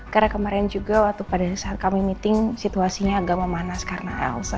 karena kemarin juga pada saat kami meeting situasinya agak memanas karena elsa